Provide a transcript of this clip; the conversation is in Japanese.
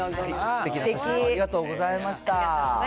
すてきな写真をありがとうございました。